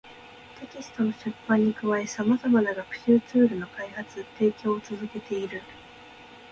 テキストの出版に加え、様々な学習ツールの開発・提供を続けている